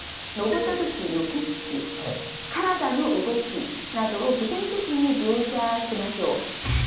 登った時の景色体の動きなどを具体的に描写しましょう。